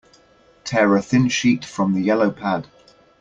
Tear a thin sheet from the yellow pad.